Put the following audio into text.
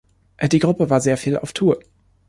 Die Gruppe war sehr viel auf Tour.